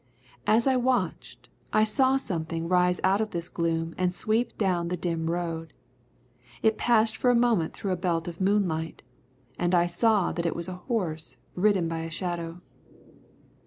As I watched, I saw something rise out of this gloom and sweep down the dim road. It passed for a moment through a belt of moonlight, and I saw that it was a horse ridden by a shadow.